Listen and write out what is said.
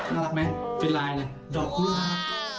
น่ารักไหมเป็นลายเลยดอกเผื้อ